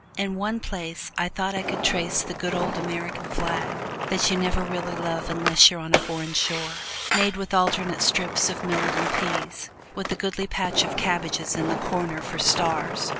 In one place I thought I could trace the good old American flag (that you never really love unless you are on a foreign shore) made with alternate strips of millet and peas, with a goodly patch of cabbages in the corner for stars.